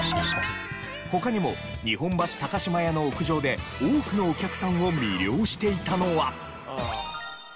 他にも日本橋島屋の屋上で多くのお客さんを魅了していたのは。